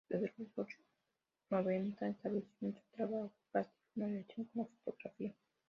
Desde los años noventa estableció en su trabajo plástico una relación con la fotografía.